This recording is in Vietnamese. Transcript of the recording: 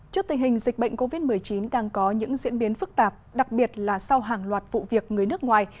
trước tình hình dịch bệnh covid một mươi chín đang có những diễn biến phức tạp đặc biệt là sau hàng loạt vụ việc người nước ngoài